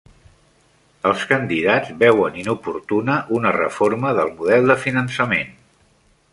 Els candidats veuen inoportuna una reforma del model de finançament